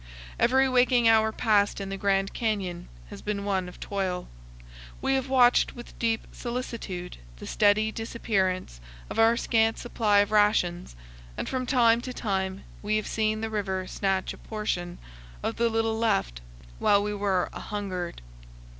Every waking hour passed in the Grand Canyon has been one of toil. We have watched with deep solicitude the steady disappearance of our scant supply of rations, and from time to time have seen the river snatch a portion of the little left, while we were a hungered.